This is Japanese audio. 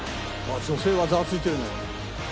女性はザワついてるね。